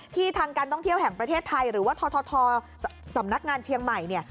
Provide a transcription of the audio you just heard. ทางการท่องเที่ยวแห่งประเทศไทยหรือว่าททสำนักงานเชียงใหม่เนี่ย